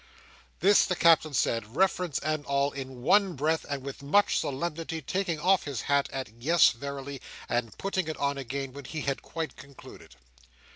This the Captain said, reference and all, in one breath, and with much solemnity; taking off his hat at "yes verily," and putting it on again, when he had quite concluded.